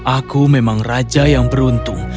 aku memang raja yang beruntung